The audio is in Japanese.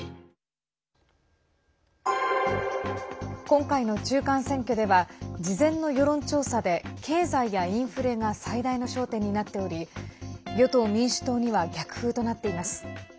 今回の中間選挙では事前の世論調査で経済やインフレが最大の焦点になっており与党・民主党には逆風となっています。